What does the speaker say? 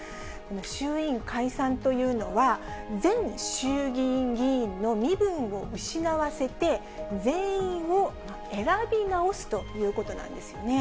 衆院解散というのは、全衆議院議員の身分を失わせて、全員を選び直すということなんですよね。